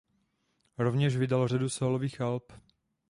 Rovněž vydal řadu sólových alb.